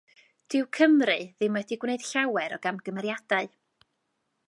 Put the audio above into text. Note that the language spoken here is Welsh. Dyw Cymru ddim wedi gwneud llawer o gamgymeriadau.